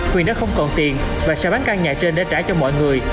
quyền đã không còn tiền và sẽ bán căn nhà trên để trả cho mọi người